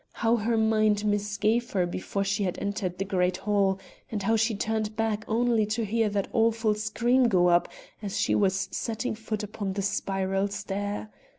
How her mind misgave her before she had entered the great hall, and how she turned back only to hear that awful scream go up as she was setting foot upon the spiral stair.